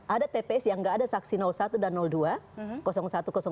ada tps yang gak ada saksi satu dan dua